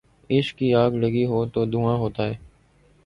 عشق کی آگ لگی ہو تو دھواں ہوتا ہے